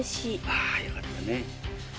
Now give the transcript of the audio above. ああよかったね。